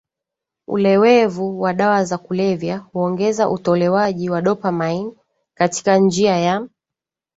ulewevu wa dawa za kulevya huongeza utolewaji wa dopamine katika njia ya